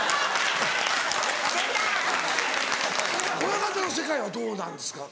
親方の世界はどうなんですか？